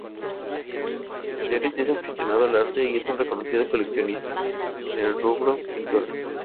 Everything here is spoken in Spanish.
Cáceres es aficionado al arte y es un reconocido coleccionista en el rubro pintura.